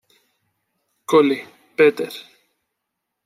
Cole, Peter.